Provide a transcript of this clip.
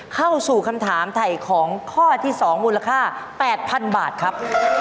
เข้าสู่คำถามถ่ายของข้อที่๒มูลค่า๘๐๐๐บาทครับ